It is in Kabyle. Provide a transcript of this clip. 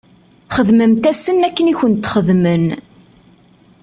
Xdmemt-asen akken i kent-xedmen.